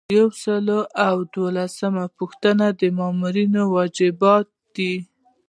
یو سل او دولسمه پوښتنه د مامور وجایب دي.